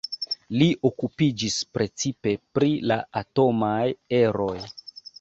Li okupiĝis precipe pri la atomaj eroj.